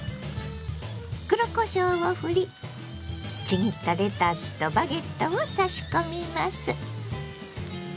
黒こしょうをふりちぎったレタスとバゲットを差し込みます。